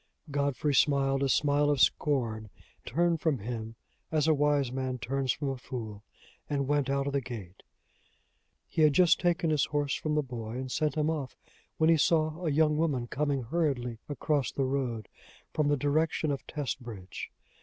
Godfrey smiled a smile of scorn, turned from him as a wise man turns from a fool, and went out of the gate. He had just taken his horse from the boy and sent him off, when he saw a young woman coming hurriedly across the road, from the direction of Testbridge.